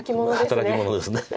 働き者です。